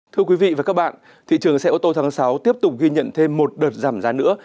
thưa quý vị và các bạn thị trường xe ô tô tháng sáu tiếp tục ghi nhận thêm một đợt giảm giá nữa